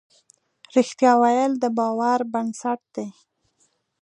رښتیا ویل د باور بنسټ دی.